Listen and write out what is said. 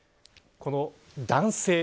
この男性